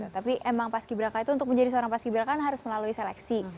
tapi emang paskibra itu untuk menjadi seorang paskibra kan harus melalui seleksi